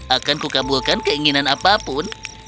akanku kaburkan keinginan apapun